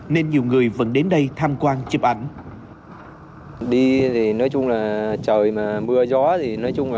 nên nhiều người vẫn đến đây tham quan chụp ảnh